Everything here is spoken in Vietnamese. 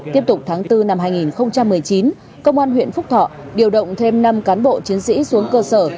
tiếp tục tháng bốn năm hai nghìn một mươi chín công an huyện phúc thọ điều động thêm năm cán bộ chiến sĩ xuống cơ sở